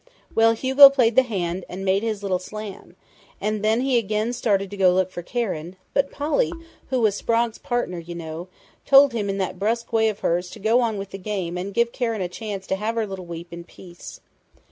Well, Hugo played the hand and made his little slam, and then he again started to go look for Karen, but Polly, who was Sprague's partner, you know, told him in that brusque way of hers to go on with the game and give Karen a chance to have her little weep in peace.